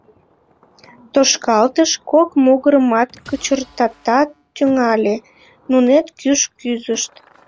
Тошкалтыш кок могырымат кычыртатат тӱҥале, нунет кӱш кӱзышт.